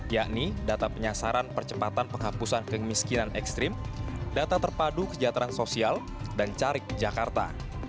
yakni data penyasaran percepatan penghapusan kemiskinan ekstrim data terpadu kesejahteraan sosial dan carik jakarta